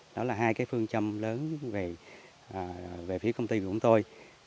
đó là hai cái phương châm lớn về phía công ty của chúng tôi